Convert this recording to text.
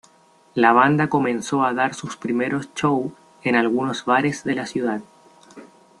La banda comenzó a dar sus primeros shows en algunos bares de la ciudad.